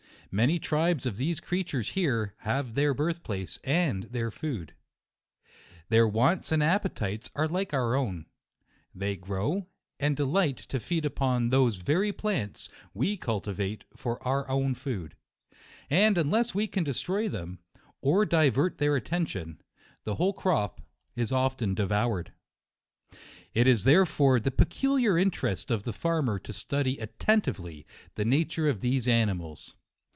Many tribes of these creatures here have their birth place and their food. Their wants and appetites are like our own ; they grow, and delight to feed upon those very plants we cultivate for our own food ; and unless wc can destroy them, or divert their at tention, the whole crop is often devoured. It is therefore the peculiar interest of the farmer to study attentively the nature of these animals.